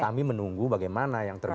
kami menunggu bagaimana yang terbaru